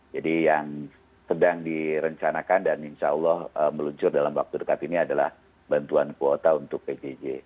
jadi yang sedang direncanakan dan insya allah meluncur dalam waktu dekat ini adalah bantuan kuota untuk pjj